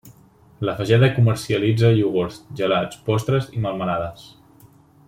La Fageda comercialitza iogurts, gelats, postres i melmelades.